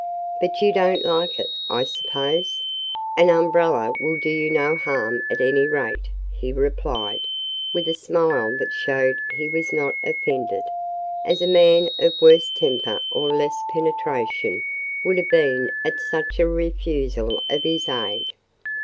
"But you don't like it, I suppose?—an umbrella will do you no harm at any rate," he replied, with a smile that showed he was not offended; as a man of worse temper or less penetration would have been at such a refusal of his aid.